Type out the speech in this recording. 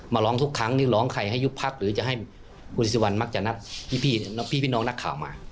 มาร้องทุกครั้งนี่ร้องใครให้ยุบพักหรือจะให้มักจะนัดพี่พี่พี่พี่น้องนักข่าวมา